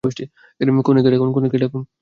কনে কে ডাকুন।